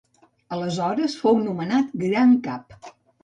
Aleshores fou nomenat gran cap.